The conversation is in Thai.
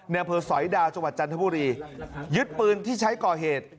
อำเภอสอยดาวจังหวัดจันทบุรียึดปืนที่ใช้ก่อเหตุ